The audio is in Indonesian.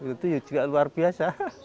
itu juga luar biasa